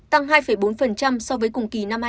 tăng hai bốn so với cùng kỳ năm hai nghìn hai mươi ba